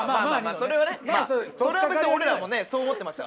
それは別に俺らもそう思ってました。